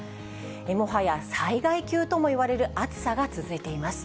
もはや災害級ともいわれる暑さが続いています。